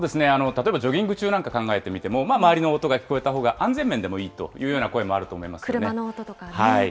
例えばジョギング中なんか考えてみても、周りの音が聞こえたほうが安全面でもいいというような声もあると車の音とかね。